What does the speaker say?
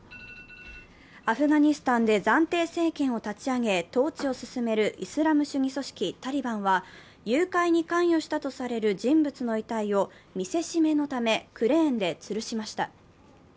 アフガニスタンで暫定政権を立ち上げ、統治を進めるイスラム主義組織タリバンは、誘拐に関与したとされる人物の遺体を見せしめのためクレーンでつるしました。